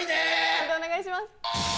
判定お願いします。